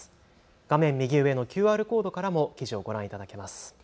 画面右上のＱＲコードからも記事をご覧いただけます。